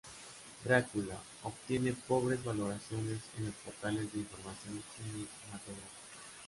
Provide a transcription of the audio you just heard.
Drácula" obtiene pobres valoraciones en los portales de información cinematográfica.